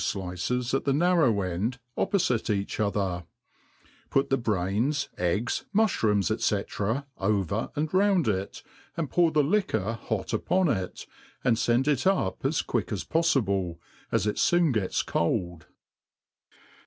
flices at the narrow end, oppofitc each other 5 put the brains, eggs, mu(hrooms, &c. over and round it, and pour ,the liquor hot upon it, and fend it up as quick as poffible,.as it foon gets cold.